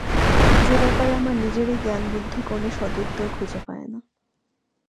যে ব্যাপারে আমার নিজেরই জ্ঞানবুদ্ধি কোনো সদুত্তর খুঁজে পায় না।